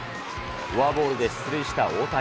フォアボールで出塁した大谷。